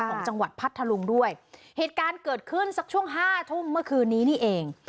ของจังหวัดพัทธลุงด้วยเหตุการณ์เกิดขึ้นสักช่วงห้าทุ่มเมื่อคืนนี้นี่เอง